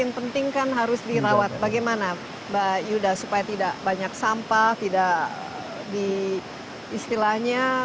yang penting kan harus dirawat bagaimana mbak yuda supaya tidak banyak sampah tidak di istilahnya